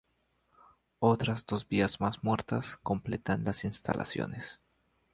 Otras dos vías más muertas, completan las instalaciones.